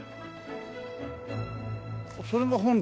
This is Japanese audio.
それが本堂？